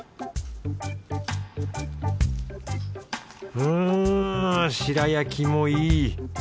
うん白焼きもいい。